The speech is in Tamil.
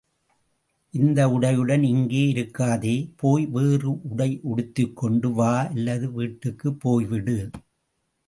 இந்த உடையுடன் இங்கே இருக்காதே போய் வேறு உடை உடுத்திக்கொண்டு வா அல்லது வீட்டுக்குப் போய்விடு.